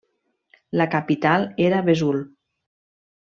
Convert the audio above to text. La capital era Vesoul.